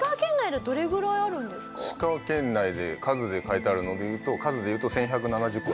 石川県内で数で書いてあるのでいうと数でいうと１１７０個。